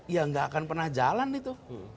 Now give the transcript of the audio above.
ya nggak akan pernah jalan itu